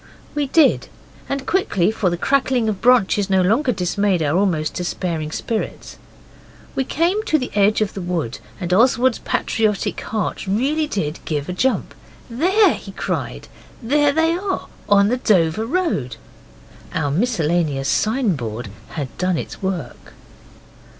We did, and quickly, for the crackling of branches no longer dismayed our almost despairing spirits. We came to the edge of the wood, and Oswald's patriotic heart really did give a jump, and he cried, 'There they are, on the Dover Road.' Our miscellaneous signboard had done its work.